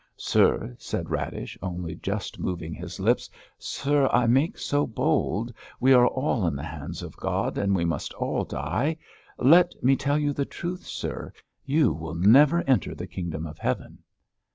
"Sir," said Radish, only just moving his lips. "Sir, I make so bold.... We are all in the hands of God, and we must all die.... Let me tell you the truth, sir.... You will never enter the kingdom of heaven."